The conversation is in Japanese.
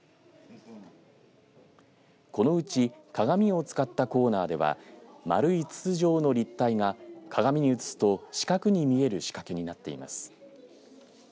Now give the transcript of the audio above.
このうち鏡を使ったコーナーでは丸い筒状の立体が鏡に映すと四角に見える仕掛けになっています。